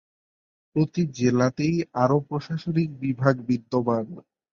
প্রতিটি জেলাতেই আরও প্রশাসনিক বিভাগ বিদ্যমান।